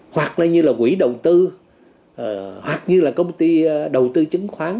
hoặc là như là quỹ đầu tư hoặc như là công ty đầu tư chứng khoán